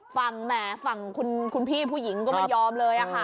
แหมฝั่งคุณพี่ผู้หญิงก็ไม่ยอมเลยค่ะ